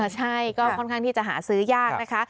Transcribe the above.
ใช่ก็ค่อนข้างที่จะหาซื้อยากนะคะ